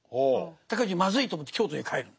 尊氏まずいと思って京都に帰る。